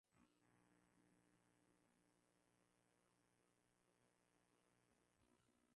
akizungumza na mwandishi wetu upendo po ndovi